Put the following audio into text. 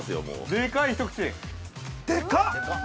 ◆でかい、一口。